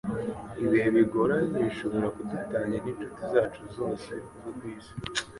Ibihe bigoranye bishobora kudutanya n'inshuti zacu zose zo ku isi;